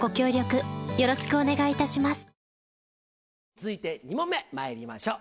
続いて２問目まいりましょう。